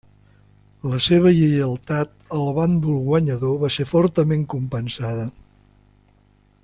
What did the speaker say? La seva lleialtat al bàndol guanyador va ser fortament compensada.